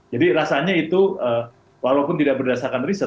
jadi rasanya itu walaupun tidak berdasarkan riset